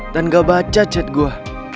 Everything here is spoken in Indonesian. dan gak baca chat gue